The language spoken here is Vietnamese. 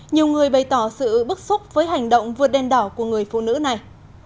nhiều người bày tỏ sự bức xúc với hành động vượt đen đỏ của người phụ nữ này